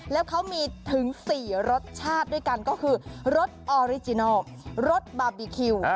แล้วเขามีถึง๔รสชาติด้วยกันก็คือรสออริจินัลรสบาร์บีคิว